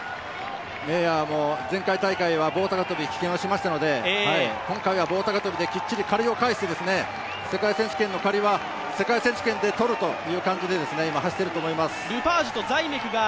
メイヤーも前回大会は棒高跳を棄権しましたので、今回は棒高跳できっちりと借りを返して、世界選手権の借りは世界選手権で取るという感じで今、走ってると思います。